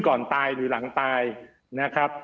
ก่อนตายหรือหลังตายนะครับ